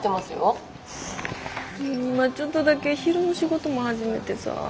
今ちょっとだけ昼の仕事も始めてさ。